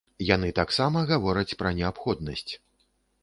Яны таксама гавораць пра неабходнасць!